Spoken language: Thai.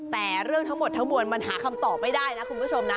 แต่เรื่องทั้งหมดทั้งมวลมันหาคำตอบไม่ได้นะคุณผู้ชมนะ